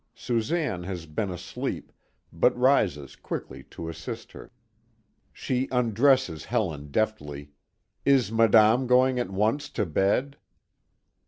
Susanne has been asleep, but rises quickly to assist her. She undresses Helen deftly: "Is Madame going at once to bed?"